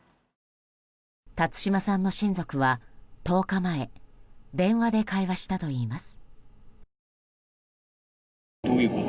辰島さんの親族は、１０日前電話で会話したといいます。